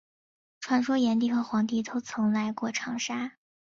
传说炎帝和黄帝都曾来过长沙。